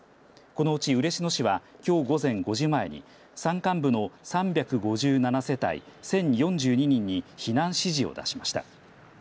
このうち嬉野市はきょう午前５時前に山間部の３５７世帯１０４２人に避難指示を出しました。